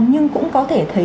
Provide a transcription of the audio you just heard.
nhưng cũng có thể thấy